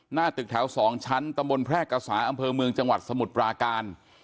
หน้าตึกแถว๒ชั้นตำบลแพร่กษาอำเภอเมืองจังหวัดสมุทรปราการ